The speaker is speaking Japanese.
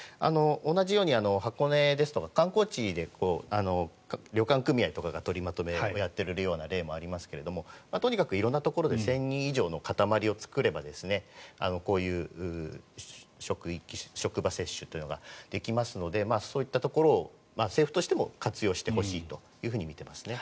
同じように箱根ですとか観光地で旅館組合とかが取りまとめをやっているような例もありますがとにかく色んなところで１０００人以上の固まりを作ればこういう職場接種というのができますのでそういったところを政府としても活用してほしいというふうに見ていますね。